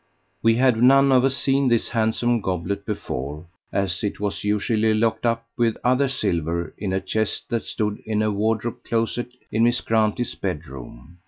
We had none of us seen this handsome goblet before, as it was usually locked up with other silver in a chest that stood in a wardrobe closet in Miss Grantley's bed room.